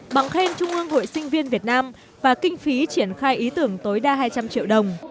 bằng khen trung ương hội sinh viên việt nam và kinh phí triển khai ý tưởng tối đa hai trăm linh triệu đồng